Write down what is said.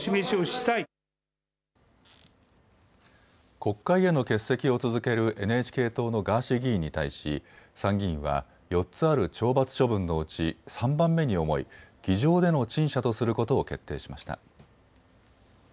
国会への欠席を続けるＮＨＫ党のガーシー議員に対し参議院は４つある懲罰処分のうち３番目に重い議場での陳謝とすることを決定しました。